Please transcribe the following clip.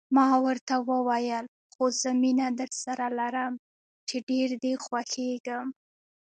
ما ورته وویل: خو زه مینه درسره لرم، چې ډېر دې خوښېږم.